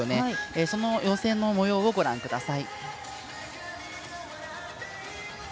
その予選のもようをご覧ください。